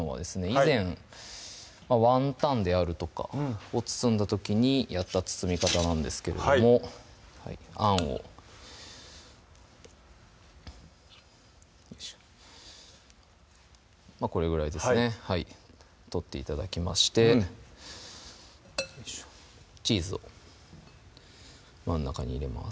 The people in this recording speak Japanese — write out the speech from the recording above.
以前ワンタンであるとかを包んだ時にやった包み方なんですけれどもはいあんをこれぐらいですねはい取って頂きましてよいしょチーズを真ん中に入れます